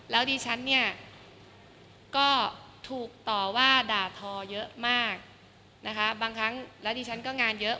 แล้วดิฉันเนี่ยก็ถูกต่อว่าด่าทอเยอะมากนะคะบางครั้งแล้วดิฉันก็งานเยอะ